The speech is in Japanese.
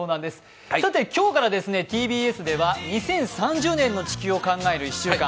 今日からＴＢＳでは２０３０年の地球を考える１週間。